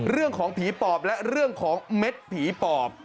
เรื่องของผีปอบและเรื่องของเม็ดผีปอบ